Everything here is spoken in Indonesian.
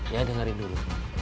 ya dengerin dulu